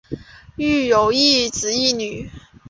育有一子一女。